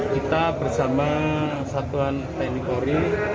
kita bersama satuan tni polri